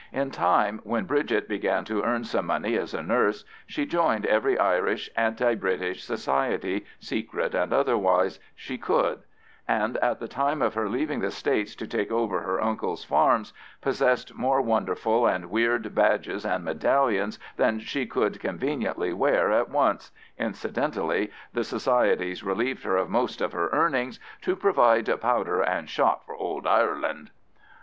In time, when Bridget began to earn some money as a nurse, she joined every Irish anti British society, secret and otherwise, she could, and at the time of her leaving the States to take over her uncle's farms possessed more wonderful and weird badges and medallions than she could conveniently wear at once: incidentally the societies relieved her of most of her earnings "to provide powder and shot for ould Ireland."